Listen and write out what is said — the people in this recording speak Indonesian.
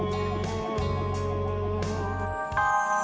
jika aku bersalah